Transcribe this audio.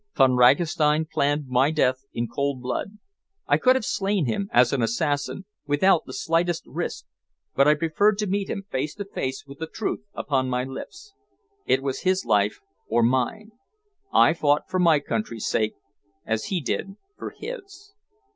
Von Ragastein planned my death in cold blood. I could have slain him as an assassin, without the slightest risk, but I preferred to meet him face to face with the truth upon my lips. It was his life or mine. I fought for my country's sake, as he did for his."